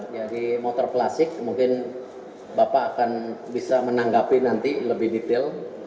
jadi motor klasik mungkin bapak akan bisa menanggapi nanti lebih detail